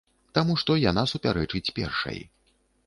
Таму што яна супярэчыць першай.